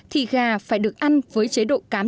thì gà phải được ăn với chế độ cám